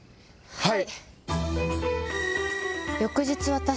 はい。